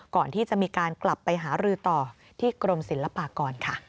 ก่อนที่จะมีการกลับไปหารือต่อที่กรมศิลปากรค่ะ